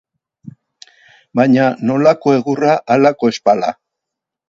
Baina nolako egurra, halako ezpala.